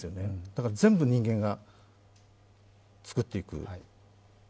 だから全部、人間が作っていく。